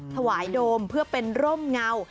โดมเพื่อเป็นร่มเงา